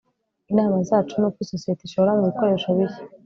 Inama zacu nuko isosiyete ishora mubikoresho bishya